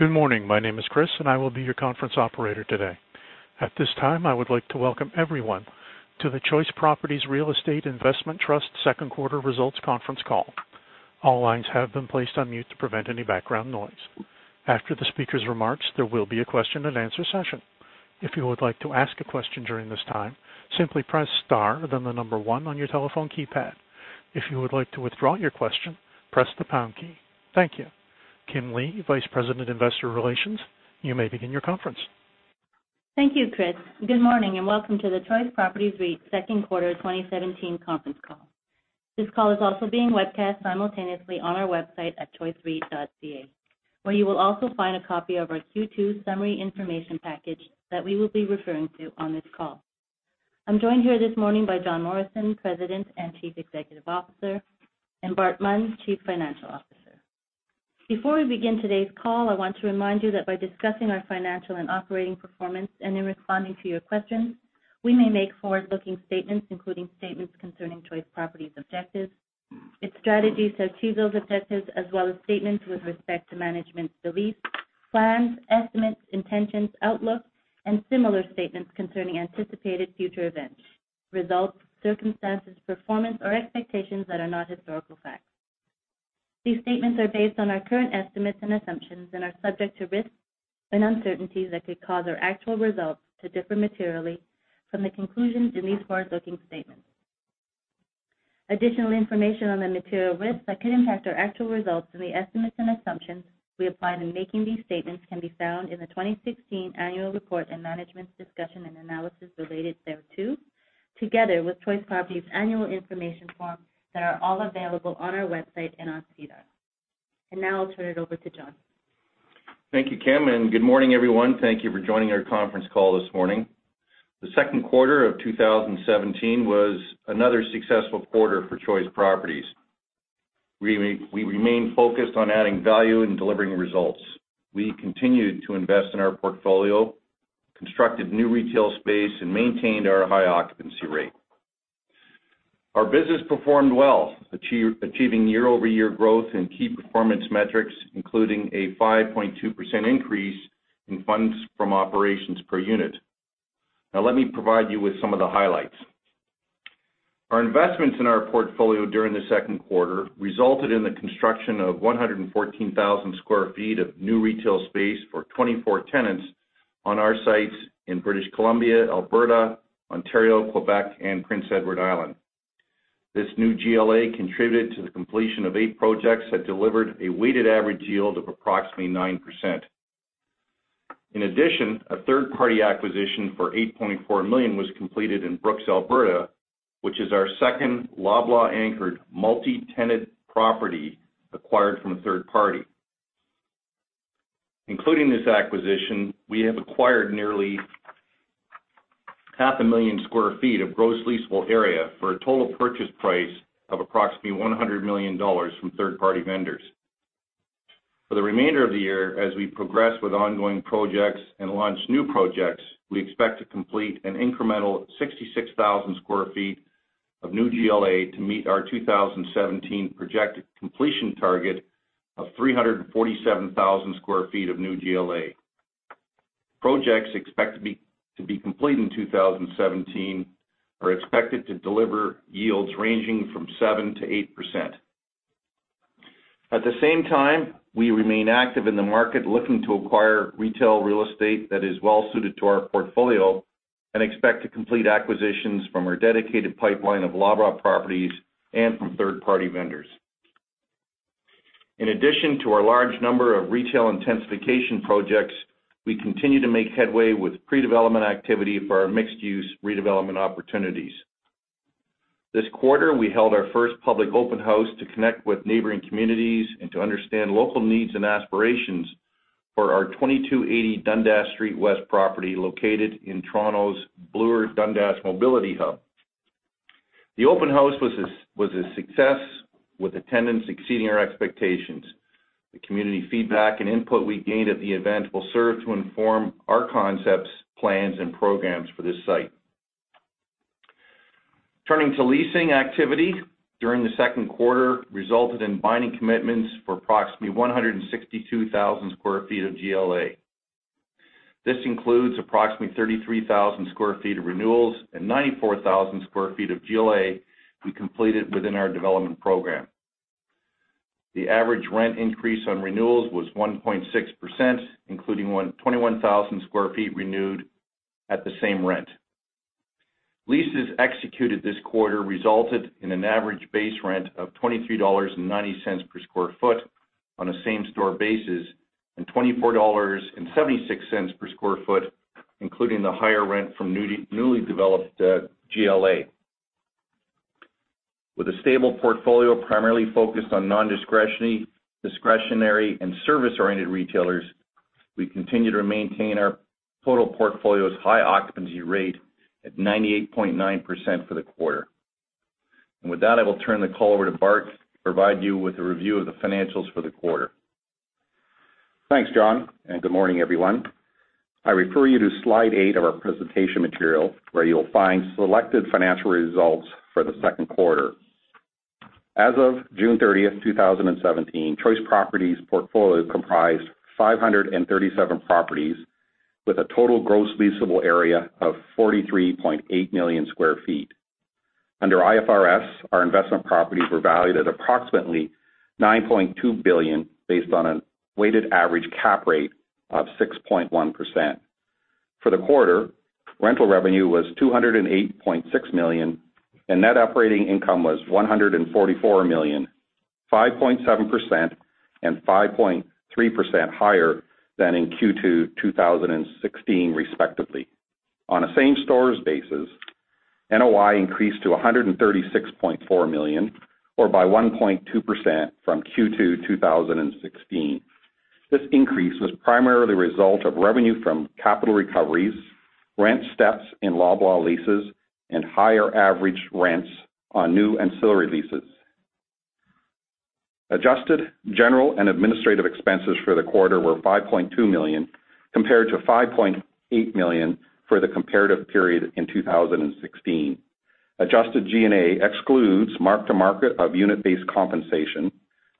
Good morning. My name is Chris, I will be your conference operator today. At this time, I would like to welcome everyone to the Choice Properties Real Estate Investment Trust second quarter results conference call. All lines have been placed on mute to prevent any background noise. After the speaker's remarks, there will be a question and answer session. If you would like to ask a question during this time, simply press star then 1 on your telephone keypad. If you would like to withdraw your question, press the pound key. Thank you. Kim Lee, Vice President, Investor Relations, you may begin your conference. Thank you, Chris. Good morning and welcome to the Choice Properties REIT second quarter 2017 conference call. This call is also being webcast simultaneously on our website at choicereit.ca, where you will also find a copy of our Q2 summary information package that we will be referring to on this call. I'm joined here this morning by John Morrison, President and Chief Executive Officer, and Bart Munn, Chief Financial Officer. Before we begin today's call, I want to remind you that by discussing our financial and operating performance and in responding to your questions, we may make forward-looking statements, including statements concerning Choice Properties' objectives, its strategies to achieve those objectives, as well as statements with respect to management's beliefs, plans, estimates, intentions, outlooks and similar statements concerning anticipated future events, results, circumstances, performance or expectations that are not historical facts. These statements are based on our current estimates and assumptions and are subject to risks and uncertainties that could cause our actual results to differ materially from the conclusions in these forward-looking statements. Additional information on the material risks that could impact our actual results and the estimates and assumptions we apply in making these statements can be found in the 2016 annual report and management's discussion and analysis related thereto, together with Choice Properties annual information forms that are all available on our website and on SEDAR. Now I'll turn it over to John. Thank you, Kim. Good morning, everyone. Thank you for joining our conference call this morning. The second quarter of 2017 was another successful quarter for Choice Properties. We remain focused on adding value and delivering results. We continued to invest in our portfolio, constructed new retail space, and maintained our high occupancy rate. Our business performed well, achieving year-over-year growth in key performance metrics, including a 5.2% increase in funds from operations per unit. Now let me provide you with some of the highlights. Our investments in our portfolio during the second quarter resulted in the construction of 114,000 sq ft of new retail space for 24 tenants on our sites in British Columbia, Alberta, Ontario, Quebec, and Prince Edward Island. This new GLA contributed to the completion of eight projects that delivered a weighted average yield of approximately 9%. In addition, a third-party acquisition for 8.4 million was completed in Brooks, Alberta, which is our second Loblaw-anchored multi-tenant property acquired from a third party. Including this acquisition, we have acquired nearly half a million sq ft of gross leasable area for a total purchase price of approximately 100 million dollars from third-party vendors. For the remainder of the year, as we progress with ongoing projects and launch new projects, we expect to complete an incremental 66,000 sq ft of new GLA to meet our 2017 projected completion target of 347,000 sq ft of new GLA. Projects expected to be complete in 2017 are expected to deliver yields ranging from 7%-8%. At the same time, we remain active in the market looking to acquire retail real estate that is well-suited to our portfolio and expect to complete acquisitions from our dedicated pipeline of Loblaw properties and from third-party vendors. In addition to our large number of retail intensification projects, we continue to make headway with pre-development activity for our mixed-use redevelopment opportunities. This quarter, we held our first public open house to connect with neighboring communities and to understand local needs and aspirations for our 2280 Dundas Street West property located in Toronto's Bloor-Dundas mobility hub. The open house was a success with attendance exceeding our expectations. The community feedback and input we gained at the event will serve to inform our concepts, plans, and programs for this site. Turning to leasing activity during the second quarter resulted in binding commitments for approximately 162,000 sq ft of GLA. This includes approximately 33,000 sq ft of renewals and 94,000 sq ft of GLA we completed within our development program. The average rent increase on renewals was 1.6%, including 21,000 sq ft renewed at the same rent. Leases executed this quarter resulted in an average base rent of 23.90 dollars per sq ft on a same-stores basis and 24.76 dollars per sq ft, including the higher rent from newly developed GLA. With a stable portfolio primarily focused on non-discretionary and service-oriented retailers, we continue to maintain our total portfolio's high occupancy rate at 98.9% for the quarter. With that, I will turn the call over to Bart to provide you with a review of the financials for the quarter. Thanks, John. Good morning, everyone. I refer you to slide eight of our presentation material, where you'll find selected financial results for the second quarter. As of June 30th, 2017, Choice Properties' portfolio comprised 537 properties with a total gross leasable area of 43.8 million sq ft. Under IFRS, our investment properties were valued at approximately 9.2 billion, based on a weighted average cap rate of 6.1%. For the quarter, rental revenue was 208.6 million, and net operating income was 144 million, 5.7% and 5.3% higher than in Q2 2016 respectively. On a same-stores basis, NOI increased to 136.4 million or by 1.2% from Q2 2016. This increase was primarily the result of revenue from capital recoveries, rent steps in Loblaw leases, and higher average rents on new ancillary leases. Adjusted general and administrative expenses for the quarter were 5.2 million, compared to 5.8 million for the comparative period in 2016. Adjusted G&A excludes mark-to-market of unit-based compensation,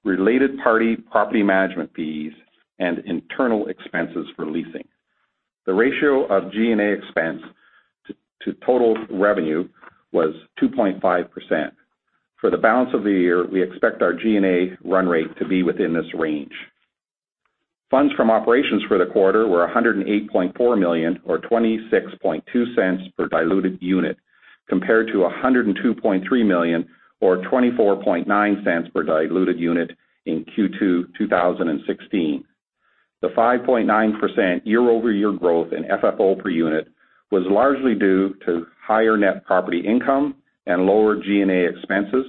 related-party property management fees, and internal expenses for leasing. The ratio of G&A expense to total revenue was 2.5%. For the balance of the year, we expect our G&A run rate to be within this range. Funds from operations for the quarter were 108.4 million, or 0.262 per diluted unit, compared to 102.3 million, or 0.249 per diluted unit in Q2 2016. The 5.9% year-over-year growth in FFO per unit was largely due to higher net property income and lower G&A expenses,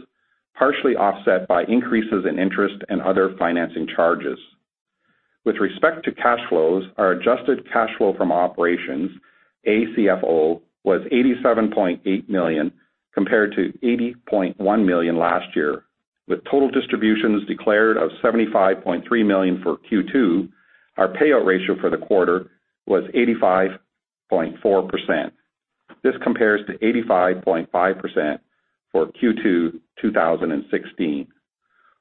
partially offset by increases in interest and other financing charges. With respect to cash flows, our adjusted cash flow from operations, ACFO, was 87.8 million, compared to 80.1 million last year. With total distributions declared of 75.3 million for Q2, our payout ratio for the quarter was 85.4%. This compares to 85.5% for Q2 2016.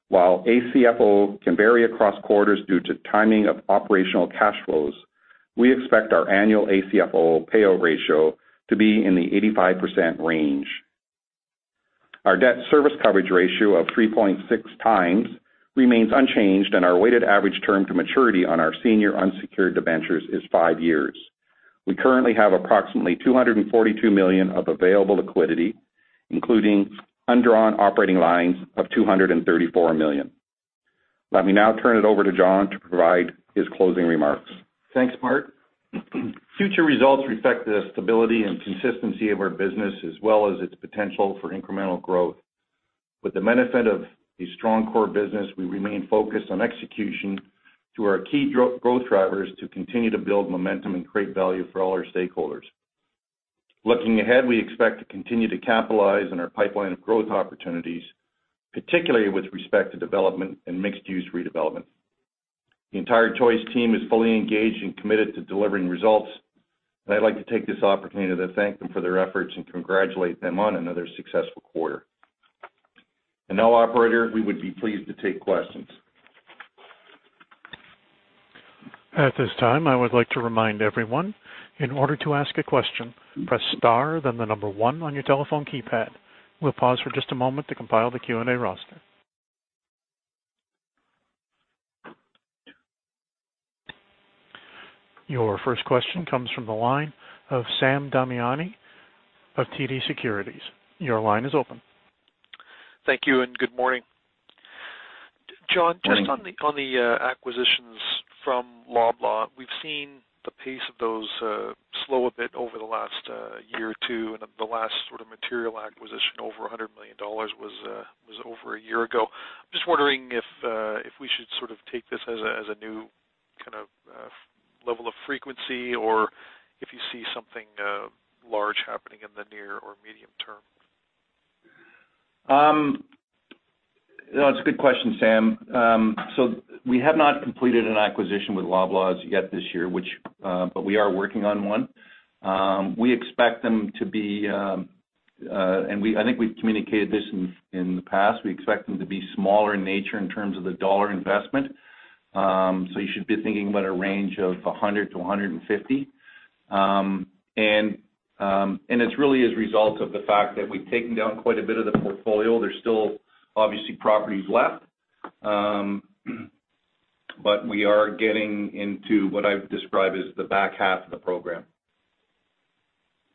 While ACFO can vary across quarters due to timing of operational cash flows, we expect our annual ACFO payout ratio to be in the 85% range. Our debt service coverage ratio of 3.6 times remains unchanged, and our weighted average term to maturity on our senior unsecured debentures is five years. We currently have approximately 242 million of available liquidity, including undrawn operating lines of 234 million. Let me now turn it over to John to provide his closing remarks. Thanks, Bart Munn. Future results reflect the stability and consistency of our business as well as its potential for incremental growth. With the benefit of the strong core business, we remain focused on execution through our key growth drivers to continue to build momentum and create value for all our stakeholders. Looking ahead, we expect to continue to capitalize on our pipeline of growth opportunities, particularly with respect to development and mixed-use redevelopment. The entire Choice team is fully engaged and committed to delivering results, and I'd like to take this opportunity to thank them for their efforts and congratulate them on another successful quarter. Now, operator, we would be pleased to take questions. At this time, I would like to remind everyone, in order to ask a question, press star, then the number one on your telephone keypad. We'll pause for just a moment to compile the Q&A roster. Your first question comes from the line of Sam Damiani of TD Securities. Your line is open. Thank you and good morning. Morning. John, just on the acquisitions from Loblaw. We've seen the pace of those slow a bit over the last year or two, and the last sort of material acquisition over 100 million dollars was over a year ago. I'm just wondering if we should sort of take this as a new kind of level of frequency or if you see something large happening in the near or medium term. That's a good question, Sam. We have not completed an acquisition with Loblaws yet this year, but we are working on one. I think we've communicated this in the past, we expect them to be smaller in nature in terms of the dollar investment. You should be thinking about a range of 100-150. It's really as a result of the fact that we've taken down quite a bit of the portfolio. There's still obviously properties left. We are getting into what I've described as the back half of the program.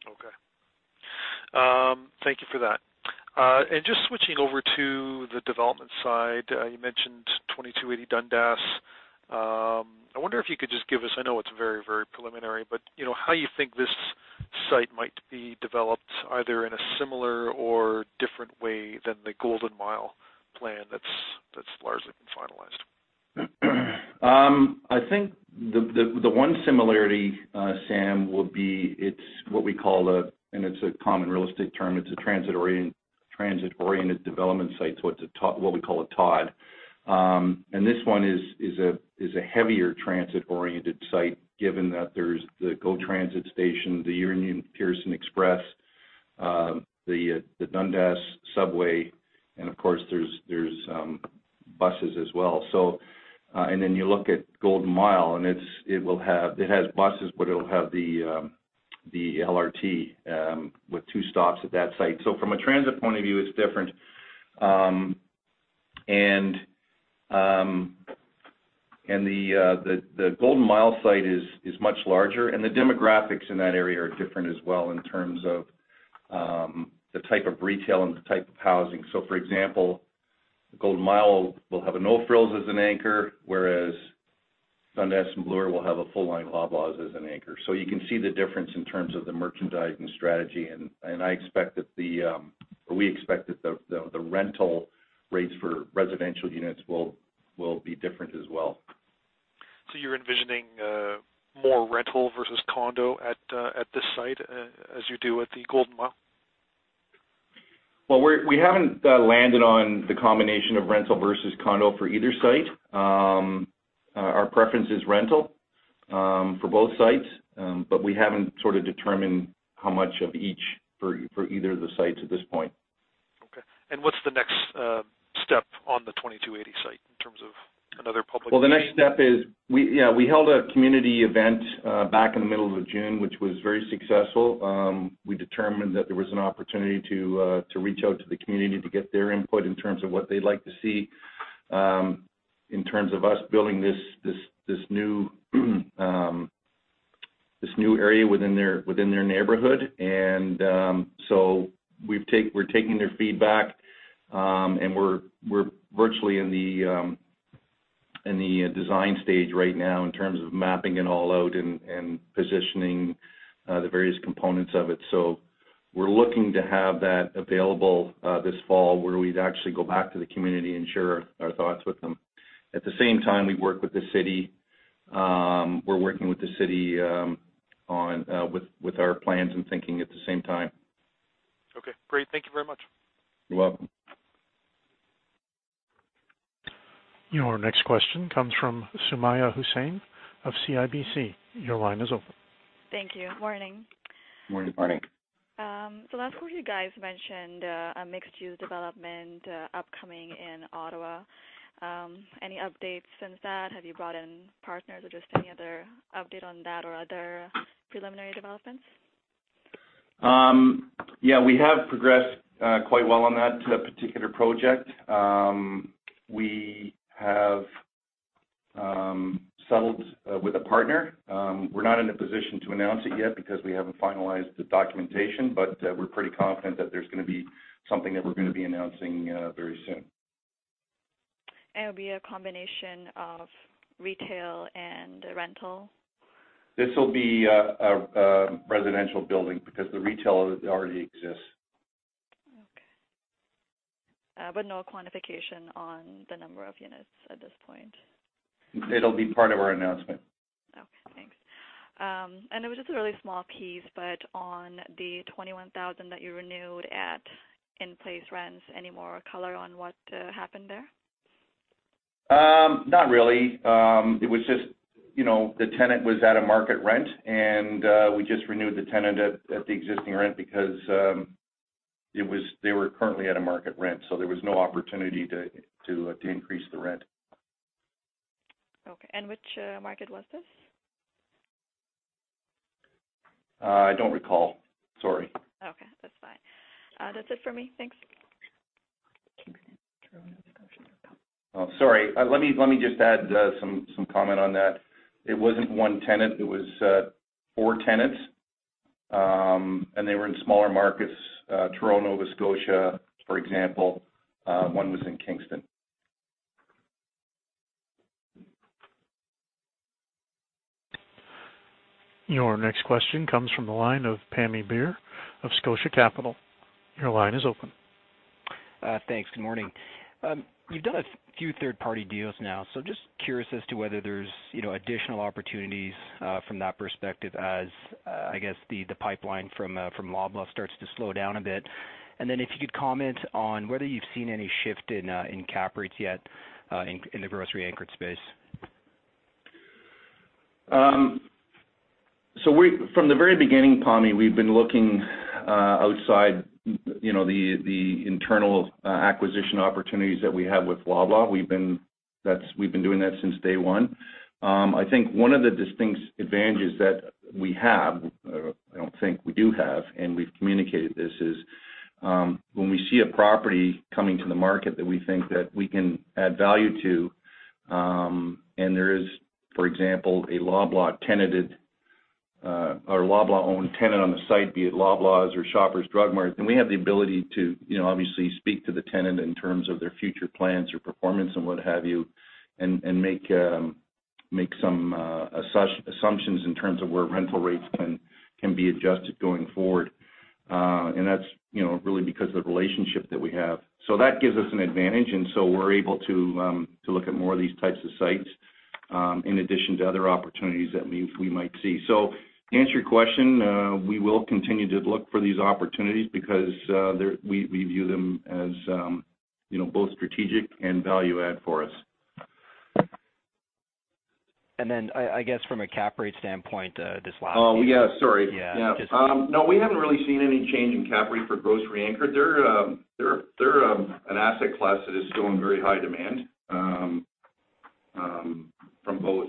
Okay. Thank you for that. Just switching over to the development side. You mentioned 2280 Dundas. I wonder if you could just give us, I know it's very, very preliminary, but how you think this site might be developed, either in a similar or different way than the Golden Mile plan that's largely been finalized. I think the one similarity, Sam, would be it's what we call, and it's a common real estate term, it's a transit-oriented development site, so it's what we call a TOD. This one is a heavier transit-oriented site, given that there's the GO Transit station, the Union Pearson Express, the Dundas subway, and of course, there's buses as well. You look at Golden Mile, and it has buses, but it'll have the LRT with two stops at that site. From a transit point of view, it's different. The Golden Mile site is much larger, and the demographics in that area are different as well in terms of the type of retail and the type of housing. For example, Golden Mile will have a No Frills as an anchor, whereas Dundas and Bloor will have a full-line Loblaws as an anchor. You can see the difference in terms of the merchandising strategy, and we expect that the rental rates for residential units will be different as well. You're envisioning more rental versus condo at this site as you do at the Golden Mile? Well, we haven't landed on the combination of rental versus condo for either site. Our preference is rental for both sites, but we haven't determined how much of each for either of the sites at this point. Okay. What's the next step on the 2280 site in terms of another public. Well, the next step is, we held a community event back in the middle of June, which was very successful. We determined that there was an opportunity to reach out to the community to get their input in terms of what they'd like to see in terms of us building this new area within their neighborhood. We're taking their feedback, and we're virtually in the design stage right now in terms of mapping it all out and positioning the various components of it. We're looking to have that available this fall, where we'd actually go back to the community and share our thoughts with them. At the same time, we work with the city. We're working with the city with our plans and thinking at the same time. Okay, great. Thank you very much. You're welcome. Your next question comes from Sumayya Hussain of CIBC. Your line is open. Thank you. Morning. Morning. Morning. Last quarter you guys mentioned a mixed-use development upcoming in Ottawa. Any updates since that? Have you brought in partners or just any other update on that or other preliminary developments? Yeah, we have progressed quite well on that particular project. We have settled with a partner. We're not in a position to announce it yet because we haven't finalized the documentation, but we're pretty confident that there's going to be something that we're going to be announcing very soon. It will be a combination of retail and rental? This will be a residential building because the retail already exists. Okay. No quantification on the number of units at this point. It'll be part of our announcement. Okay, thanks. It was just a really small piece, but on the 21,000 that you renewed at in-place rents, any more color on what happened there? Not really. It was just the tenant was at a market rent, and we just renewed the tenant at the existing rent because they were currently at a market rent, so there was no opportunity to increase the rent. Okay, which market was this? I don't recall. Sorry. Okay, that's fine. That's it for me, thanks. Oh, sorry. Let me just add some comment on that. It wasn't one tenant, it was four tenants. They were in smaller markets, Toronto, Nova Scotia, for example. One was in Kingston. Your next question comes from the line of Pammi Bir of Scotia Capital. Your line is open. Thanks. Good morning. You've done a few third-party deals now, so just curious as to whether there's additional opportunities from that perspective as, I guess, the pipeline from Loblaw starts to slow down a bit. Then if you could comment on whether you've seen any shift in cap rates yet in the grocery-anchored space. From the very beginning, Pammi, we've been looking outside the internal acquisition opportunities that we have with Loblaw. We've been doing that since day one. I think one of the distinct advantages that we have, we do have, and we've communicated this, is when we see a property coming to the market that we think that we can add value to, and there is, for example, a Loblaw-tenanted or Loblaw-owned tenant on the site, be it Loblaws or Shoppers Drug Mart, then we have the ability to obviously speak to the tenant in terms of their future plans or performance and what have you, and make some assumptions in terms of where rental rates can be adjusted going forward. That's really because of the relationship that we have. That gives us an advantage, and so we're able to look at more of these types of sites, in addition to other opportunities that we might see. To answer your question, we will continue to look for these opportunities because we view them as both strategic and value add for us. Then, I guess from a cap rate standpoint. Yeah, sorry. Yeah. No, we haven't really seen any change in cap rate for grocery-anchored. They're an asset class that is still in very high demand, from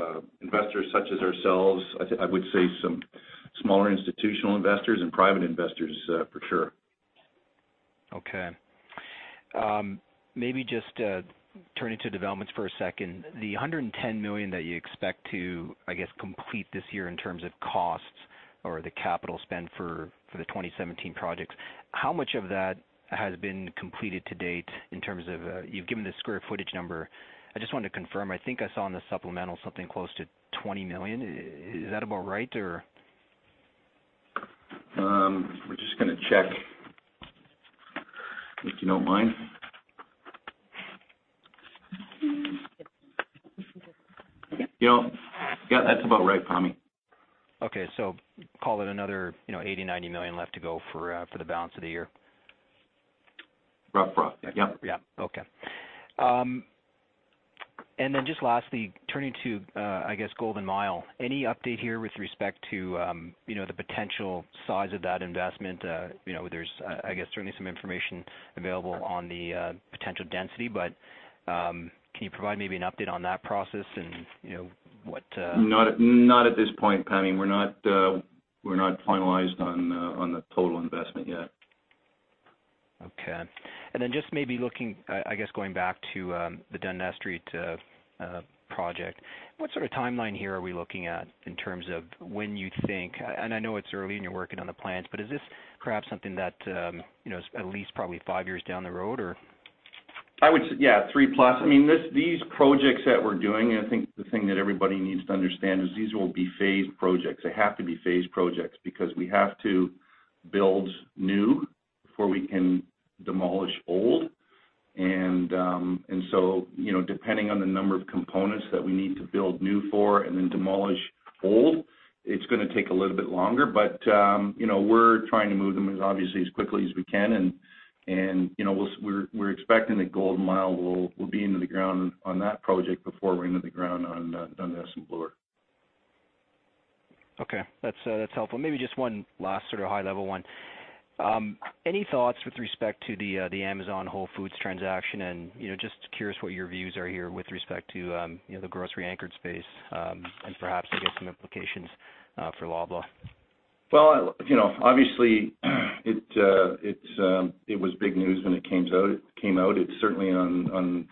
both investors such as ourselves, I would say some smaller institutional investors and private investors, for sure. Okay. Maybe just turning to developments for a second. The 110 million that you expect to, I guess, complete this year in terms of costs or the capital spend for the 2017 projects, how much of that has been completed to date in terms of, you've given the square footage number. I just wanted to confirm, I think I saw in the supplemental something close to 20 million. Is that about right, or? We're just going to check, if you don't mind. Yeah, that's about right, Pammi. Okay. Call it another 80 million-90 million left to go for the balance of the year. Rough, yeah. Yeah. Okay. Just lastly, turning to, I guess, Golden Mile. Any update here with respect to the potential size of that investment? There's, I guess, certainly some information available on the potential density, but can you provide maybe an update on that process and what? Not at this point, Pammi. We're not finalized on the total investment yet. Okay. Just maybe looking, I guess, going back to the Dundas Street project. What sort of timeline here are we looking at in terms of when you think, and I know it's early and you're working on the plans, but is this perhaps something that is at least probably five years down the road, or? I would say, yeah, three plus. These projects that we're doing, I think the thing that everybody needs to understand is these will be phased projects. They have to be phased projects because we have to build new before we can demolish old. Depending on the number of components that we need to build new for and then demolish old, it's going to take a little bit longer. We're trying to move them as obviously as quickly as we can and we're expecting that Golden Mile will be into the ground on that project before we're into the ground on Dundas and Bloor. Okay. That's helpful. Maybe just one last sort of high level one. Any thoughts with respect to the Amazon Whole Foods transaction, and just curious what your views are here with respect to the grocery-anchored space, and perhaps I guess some implications for Loblaw. Well, obviously, it was big news when it came out. It's certainly on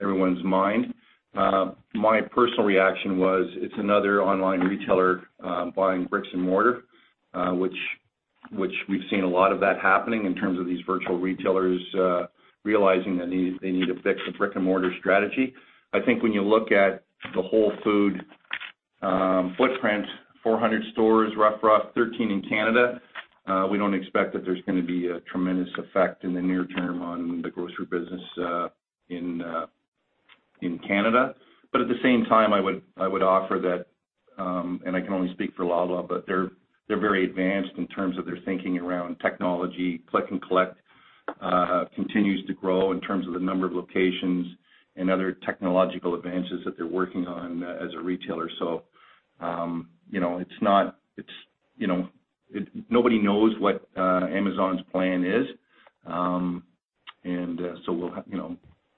everyone's mind. My personal reaction was it's another online retailer buying bricks-and-mortar, which we've seen a lot of that happening in terms of these virtual retailers realizing that they need to fix the brick-and-mortar strategy. I think when you look at the Whole Foods footprint, 400 stores, rough, 13 in Canada. We don't expect that there's going to be a tremendous effect in the near term on the grocery business in Canada. At the same time, I would offer that, and I can only speak for Loblaw, but they're very advanced in terms of their thinking around technology. Click and collect continues to grow in terms of the number of locations and other technological advances that they're working on as a retailer. Nobody knows what Amazon's plan is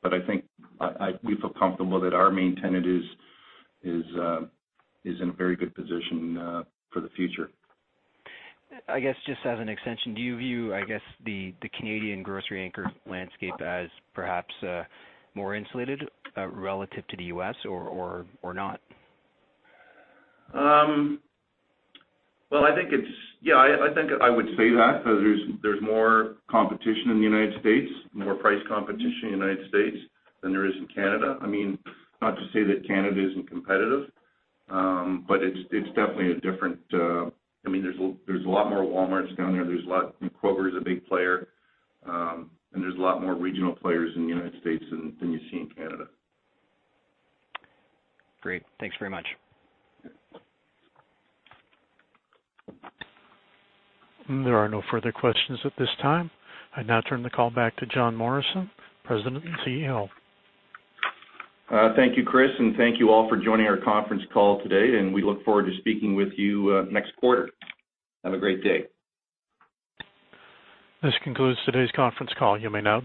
but I think we feel comfortable that our main tenant is in a very good position for the future. I guess just as an extension, do you view, I guess, the Canadian grocery anchor landscape as perhaps more insulated relative to the U.S. or not? Well, I would say that because there's more competition in the United States, more price competition in the United States than there is in Canada. Not to say that Canada isn't competitive, but it's definitely different. There's a lot more Walmarts down there. Kroger is a big player. There's a lot more regional players in the United States than you see in Canada. Great. Thanks very much. There are no further questions at this time. I now turn the call back to John Morrison, President and CEO. Thank you, Chris, and thank you all for joining our conference call today, and we look forward to speaking with you next quarter. Have a great day. This concludes today's conference call. You may now disconnect.